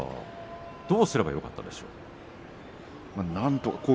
どうすればよかったですか。